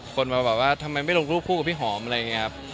คนมาแบบว่าทำไมไม่ลงรูปคู่กับพี่หอมอะไรอย่างนี้ครับ